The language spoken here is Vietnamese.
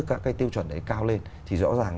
các cái tiêu chuẩn đấy cao lên thì rõ ràng